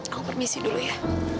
aku permisi dulu ya